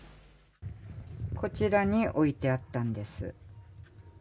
こちらに置いてあったんです。